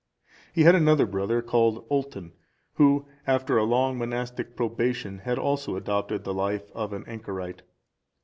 He had another brother called Ultan, who, after a long monastic probation, had also adopted the life of an anchorite.